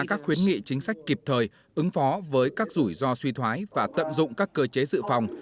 các khuyến nghị chính sách kịp thời ứng phó với các rủi ro suy thoái và tận dụng các cơ chế dự phòng